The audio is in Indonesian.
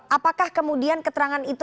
apakah kemudian keterangan itu